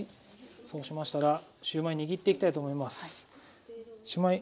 そうしましたらシューマイ握っていきたいと思います。